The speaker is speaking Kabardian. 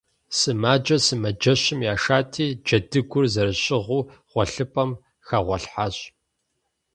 Сымаджэр сымаджэщым яшати, джэдыгур зэрыщыгъыу гъуэлъыпӏэм хэгъуэлъхьащ.